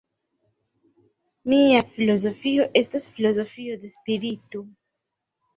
Mia filozofio estas filozofio de spirito.